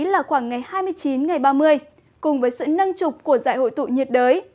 là khoảng ngày hai mươi chín ba mươi cùng với sự nâng trục của dạy hội tụ nhiệt đới